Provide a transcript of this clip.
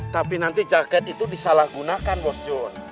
tapi nanti jaket itu disalahgunakan bos john